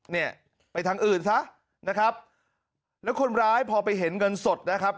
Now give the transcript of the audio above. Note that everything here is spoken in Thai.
เนี่ยไปทางอื่นซะนะครับแล้วคนร้ายพอไปเห็นเงินสดนะครับ